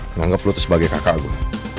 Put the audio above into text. menganggap lu itu sebagai kakak gue